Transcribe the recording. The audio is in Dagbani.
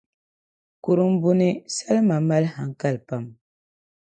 kurumbuni salima mali hankali pam